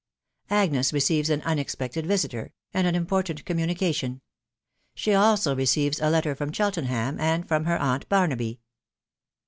AGNES RECEIVES AN UNEXPECTED VISITER, AND AN IMPORTANT COMMU NICATION. SHE ALSO RECEIVES A LETTER FROM CHELTENHAM, AN» FROM HER AUNT BAKNABY.